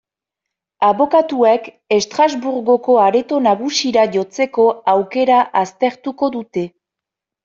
Abokatuek Estrasburgoko Areto Nagusira jotzeko aukera aztertuko dute.